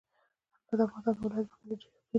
انار د افغانستان د ولایاتو په کچه ډېر توپیر لري.